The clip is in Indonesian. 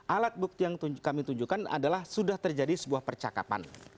alat bukti yang kami tunjukkan adalah sudah terjadi sebuah percakapan